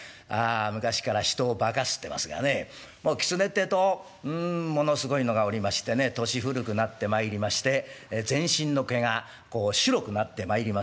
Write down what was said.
昔から人を化かすってますがねもう狐ってえとんんものすごいのがおりましてね年古くなってまいりまして全身の毛が白くなってまいりますと白狐といいますな。